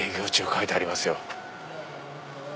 書いてありますよ。